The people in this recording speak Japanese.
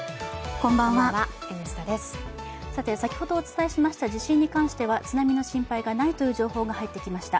先ほどお伝えしました地震に関しては津波の心配がないという情報が入ってきました。